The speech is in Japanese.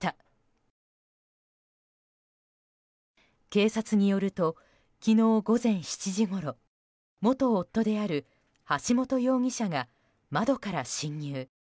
警察によると昨日午前７時ごろ元夫である橋本容疑者が窓から侵入。